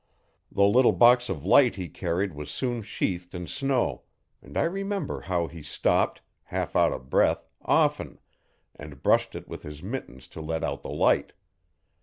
The little box of light he carried was soon sheathed in snow, and I remember how he stopped, half out of breath, often, and brushed it with his mittens to let out the light.